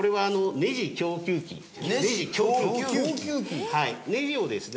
ネジをですね